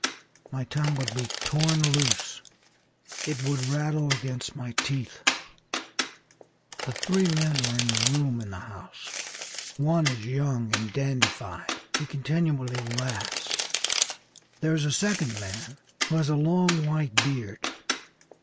My tongue would be torn loose it would rattle against my teeth. The three men are in a room in the house. One is young and dandified. He continually laughs. There is a second man who has a long white beard.